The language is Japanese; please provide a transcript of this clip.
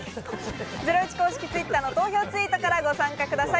ゼロイチ公式Ｔｗｉｔｔｅｒの投票ツイートからご参加ください。